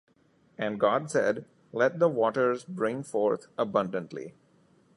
And God said, Let the waters bring forth abundantly